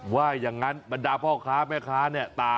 ว่าอย่างนั้นปัญญาพ่อค้าแม่ค้า